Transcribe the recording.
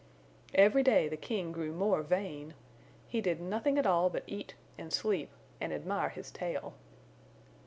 Every day the King grew more vain. He did nothing at all but eat and sleep and admire his tail.